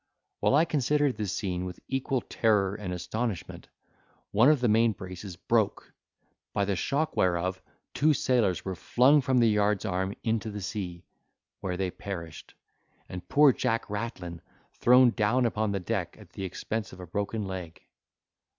While I considered this scene with equal terror and astonishment, one of the main braces broke, by the shock whereof two sailors were flung from the yard's arm into the sea, where they perished, and poor Jack Rattlin thrown down upon the deck, at the expense of a broken leg.